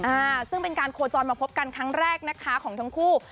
อ่าซึ่งเป็นการโคจรมาพบกันครั้งแรกนะคะของทั้งคู่